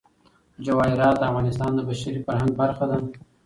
جواهرات د افغانستان د بشري فرهنګ برخه ده.